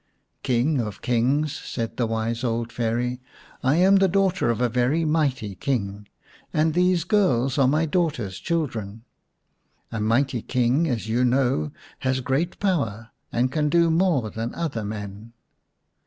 "King of Kings," said the wise old Fairy, 158 xiii The Reward of Industry " I am the daughter of a very mighty King, and these girls are my daughter's children. A mighty King, as you know, has great power, and can do more than other men."